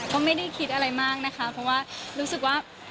ก็ไม่ได้คิดอะไรมากนะคะเพราะว่ารู้สึกว่า